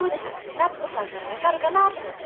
夏子さんなら分かるかなと思って。